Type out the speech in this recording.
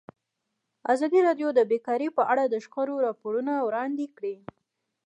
ازادي راډیو د بیکاري په اړه د شخړو راپورونه وړاندې کړي.